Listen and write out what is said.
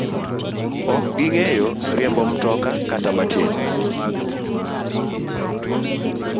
Ok ging'eyo riembo mtoka kata matin.